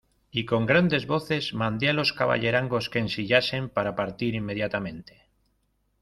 y con grandes voces mandé a los caballerangos que ensillasen para partir inmediatamente.